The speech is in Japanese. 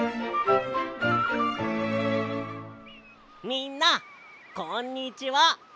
みんなこんにちは！